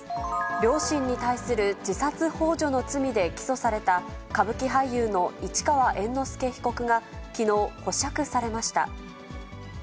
両親に対する自殺ほう助の罪で起訴された、歌舞伎俳優の市川猿之助被告がきのう、保釈されました。